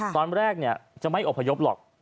ตอนแรกจะไม่อบพยพหรอก